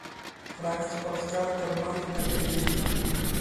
پړانګ خپل ښکار تر مرګه نه پرېږدي.